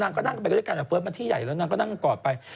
นั่งก็นั่งกันไปด้วยกันอะเฟิร์ตมันที่ใหญ่แล้วนั่งก็นั่งกันกอดไป